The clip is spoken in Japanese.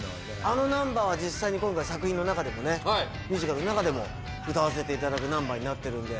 あのナンバーは実際に今回の作品の中でもねミュージカルの中でも歌わせていただくナンバーになってるんで。